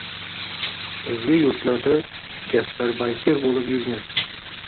o‘zga yurtlarda gastarbayter bo‘lib yurgan